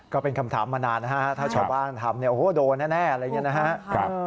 ก็เป็นคำถามมานานนะฮะถ้าชาวบ้านถามโดนแน่อะไรอย่างนี้นะฮะ